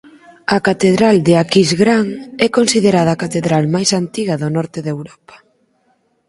A Catedral de Aquisgrán é considerada a catedral máis antiga do norte de Europa.